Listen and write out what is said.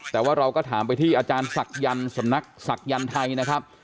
แต่ว่าเราก็ถามไปที่อาจารย์ศักยันต์สำนักศักดิ์ไทยนะครับ